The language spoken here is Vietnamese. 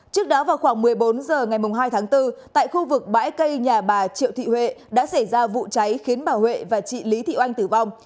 trước đó vào khoảng một mươi bốn h ngày hai tháng bốn tại khu vực bãi cây nhà bà triệu thị huệ đã xảy ra vụ cháy khiến bà huệ và chị lý thị oanh tử vong